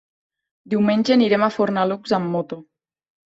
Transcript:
Diumenge anirem a Fornalutx amb moto.